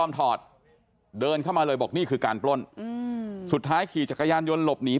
แล้วถ้าว่ามีฝืนไหมพี่